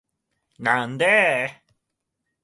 なんでーーー